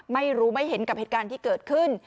ไม่รู้ไม่เห็นกับเหตุการณ์ที่เกิดขึ้น